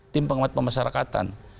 tim pengamat pemasyarakatan